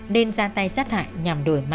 nên ra tay sát hại nhằm đuổi ma